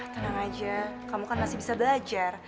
tenang aja kamu kan masih bisa belajar